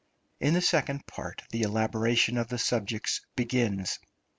In the second part the elaboration of the subjects begins.